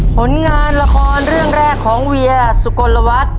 ผลงานละครเรื่องแรกของเวียสุกลวัฒน์